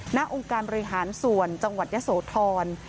หน้าองค์การบริหารส่วนจังหวัดยะโสธร